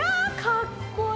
かっこいい！